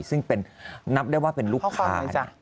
ซึ่งนับได้ว่าเป็นลูกค้า